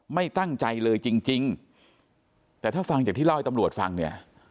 ไม่ตั้งใจเลยจริงจริงแต่ถ้าฟังจากที่เล่าให้ตำรวจฟังเนี่ย